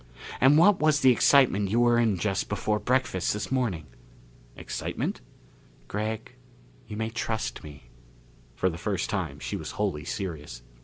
And what was the excitement you were in just before breakfast this morning?" "Excitement?" "Gregg, you may trust me." For the first time she was wholly serious.